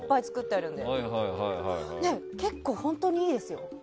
結構本当にいいですよ。